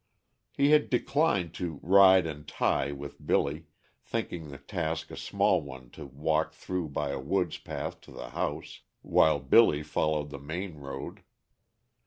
He had declined to "ride and tie" with Billy, thinking the task a small one to walk through by a woods path to the house, while Billy followed the main road.